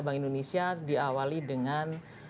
bank indonesia diawali dengan